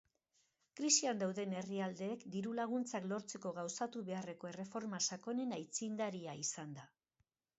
Krisian dauden herrialdeek diru-laguntzak lortzeko gauzatu beharreko erreforma sakonen aitzindaria izan da.